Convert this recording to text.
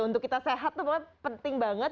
untuk kita sehat itu memang penting banget